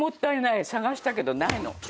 捜したけどないの。